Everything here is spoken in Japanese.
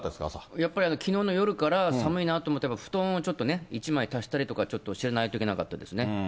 やっぱりきのうの夜から寒いなと思って、布団をちょっとね、１枚足したりとかしないといけなかったですね。